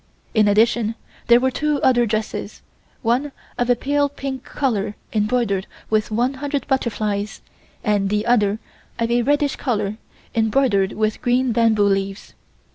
In addition there were two other dresses, one of a pale pink color, embroidered with one hundred butterflies and the other of a reddish color embroidered with green bamboo leaves.